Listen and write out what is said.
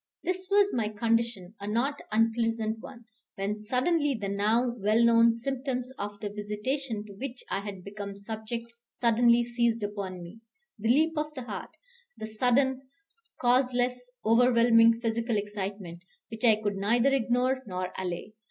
This was my condition a not unpleasant one when suddenly the now well known symptoms of the visitation to which I had become subject suddenly seized upon me, the leap of the heart; the sudden, causeless, overwhelming physical excitement, which I could neither ignore nor allay.